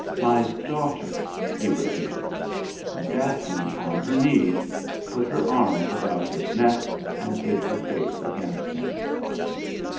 My daughter!" he repeated. And Daphne, on her knees, put her arms about his neck and hid her face against him.